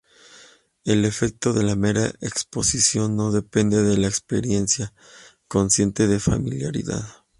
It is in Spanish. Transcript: El efecto de mera exposición no depende de la experiencia consciente de familiaridad.